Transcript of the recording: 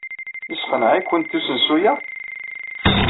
Yesseqneɛ-ikent usensu-a?